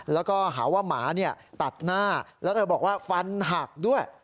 แล้วก็หาว่าหมาตัดหน้าแล้วเธอบอกว่าฟันหักด้วย